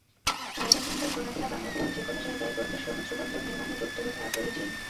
পায়রা কিংবা সোনাদিয়া বাংলাদেশের যেকোনো জায়গায় গভীর সমুদ্রবন্দর নির্মাণে যুক্ত হতে আগ্রহী চীন।